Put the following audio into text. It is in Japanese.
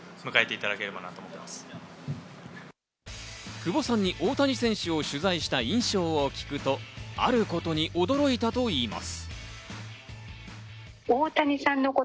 久保さんに大谷選手を取材した印象を聞くと、あることに驚いたといいます。